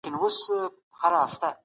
کتاب لوستل د ستونزو په حل کي مرسته کوي.